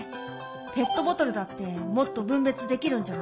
ペットボトルだってもっと分別できるんじゃない？